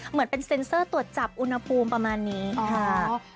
เหมือนเป็นเซ็นเซอร์ตรวจจับอุณหภูมิประมาณนี้ค่ะ